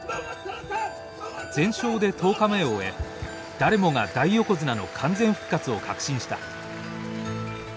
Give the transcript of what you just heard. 全勝で十日目を終え誰もが大横綱の完全復活を確信した。